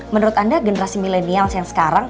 menurut anda generasi milenial yang sekarang